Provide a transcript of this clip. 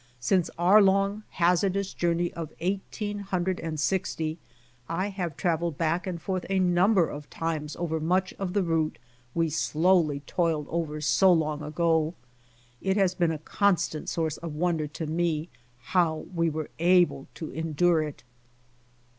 Since our long hazardous journey of eighteen hundred and sixty, I have traveled back and forth a number of times over much of the route we slowly toiled over so long ago. It has been a constant source of wonder to me how we were able to endure it.